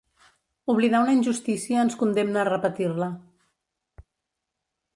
'Oblidar una injustícia ens condemna a repetir-la'.